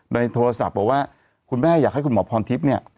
ในโทรศัพท์บอกว่าคุณแม่อยากให้คุณหมอพรทิพย์เนี่ย